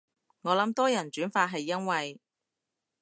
我諗多人轉發係因為